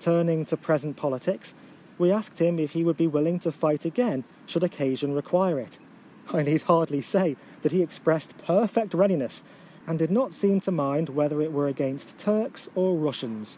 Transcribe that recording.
Turning to present politics, we asked him if he would be willing to fight again should oc casion require it. I need hardly say that he expressed perfect readi ness, and did not seem to mind whether it were against Turks or Russians.